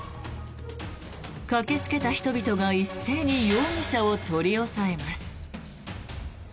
駆けつけた人々が一斉に容疑者を取り押さえます。